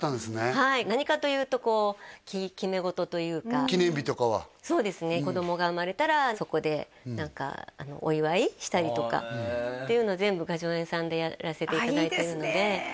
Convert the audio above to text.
はい何かというとこう決め事というか記念日とかはそうですね子供が生まれたらそこで何かお祝いしたりとかっていうの全部雅叙園さんでやらせていただいてるのでああいいですね